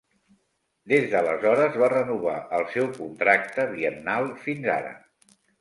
Des d'aleshores va renovar el seu contracte biennal fins ara.